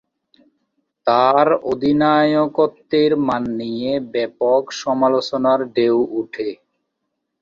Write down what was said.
তার অধিনায়কত্বের মান নিয়ে ব্যাপক সমালোচনার ঢেউ ওঠে।